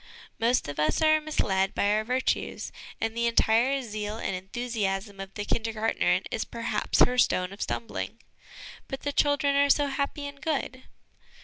Most of us are misled by our virtues, and the entire zeal and enthusiasm of the Kindergartnerin is perhaps her stone of stumbling. ' But the children are so happy and good